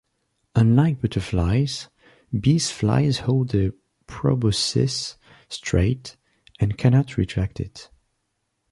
Unlike butterflies, bee flies hold their proboscis straight, and cannot retract it.